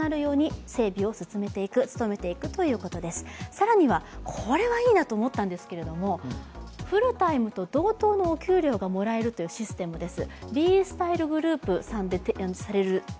更には、これはいいなと思ったんですけど、フルタイムと同等のお給料がもらえるというシステムです。